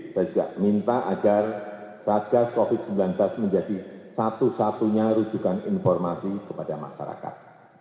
saya juga minta agar satgas covid sembilan belas menjadi satu satunya rujukan informasi kepada masyarakat